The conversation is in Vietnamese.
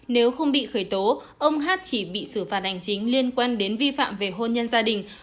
nếu không bị khởi tố ông hát chỉ bị xử phạt hành chính liên quan đến vi phạm về hôn nhân gia đình